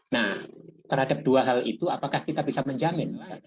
nah terhadap dua hal itu apakah kita bisa menjamin